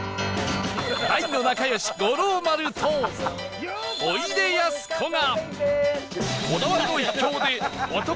大の仲良し五郎丸とおいでやすこが